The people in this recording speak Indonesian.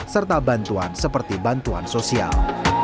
serta bantuan seperti bantuan sosial